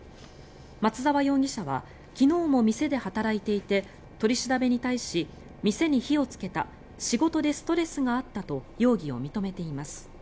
松沢容疑者は昨日も店で働いていて取り調べに対し、店に火をつけた仕事でストレスがあったと容疑を認めています。